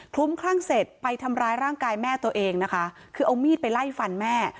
ลุ้มคลั่งเสร็จไปทำร้ายร่างกายแม่ตัวเองนะคะคือเอามีดไปไล่ฟันแม่